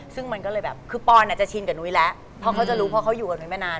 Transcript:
ซึ่งมันก็เลยแบบคือปอนอาจจะชินกับนุ้ยแล้วเพราะเขาจะรู้เพราะเขาอยู่กับนุ้ยไม่นาน